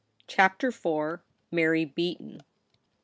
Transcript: CHAPTER IV MARY BEATON.